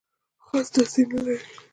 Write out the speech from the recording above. خاص تاثیر نه لري.